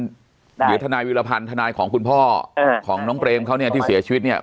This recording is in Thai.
เดี๋ยวทนายวิรพันธ์ทนายของคุณพ่อของน้องเปรมเขาเนี่ยที่เสียชีวิตเนี่ย